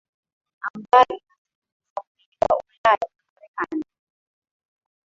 ambayo inasafirishwa kuletwa ulaya na marekani